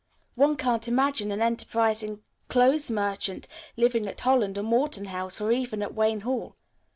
One can't imagine an enterprising clothes merchant living at Holland or Morton House or even at Wayne Hall.